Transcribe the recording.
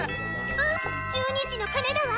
あぁ１２時の鐘だわ。